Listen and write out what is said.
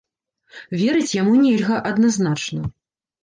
Верыць яму нельга, адназначна.